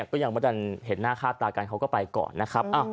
ก็ยังไม่ได้เห็นหน้าค่าตากันเขาก็ไปก่อนนะครับ